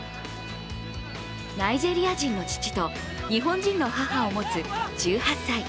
ナイジェリア人の父と日本人の母を持つ１８歳。